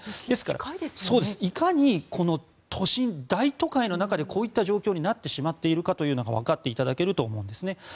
ですから、いかに都心大都会の中でこういった状況になってしまっているのかというのが分かっていただけると思います。